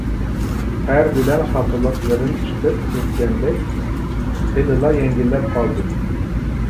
تەر بىلەن خاپىلىقلىرىم چىقىپ كەتكەندەك، خېلىلا يەڭگىللەپ قالدىم.